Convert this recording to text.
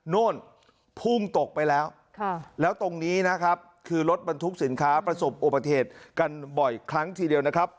นู่นพุ่งตกไปแล้วแล้วตรงนี้นะครับคือรถบรรทุกสินค้าประสบอุบัติเหตุกันบ่อยครั้งทีเดียวนะครับ